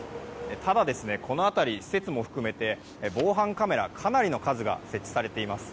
ただ、この辺り施設も含めて防犯カメラかなりの数が設置されています。